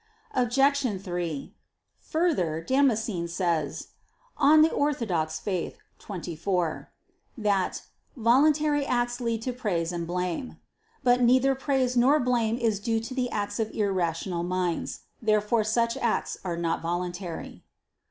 Obj. 3: Further, Damascene says (De Fide Orth. 24) that "voluntary acts lead to praise and blame." But neither praise nor blame is due to the acts of irrational minds. Therefore such acts are not voluntary.